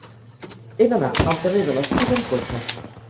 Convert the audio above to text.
He d'anar al carrer de l'Espiga amb cotxe.